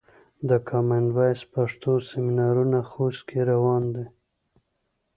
د کامن وایس پښتو سمینارونه خوست کې روان دي.